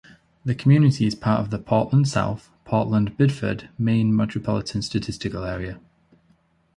The community is part of the Portland-South Portland-Biddeford, Maine Metropolitan Statistical Area.